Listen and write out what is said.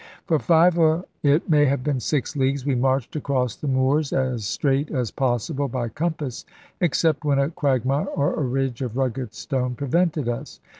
For five or it may have been six leagues we marched across the moors as straight as possible by compass, except when a quagmire or a ridge of rugged stone prevented us.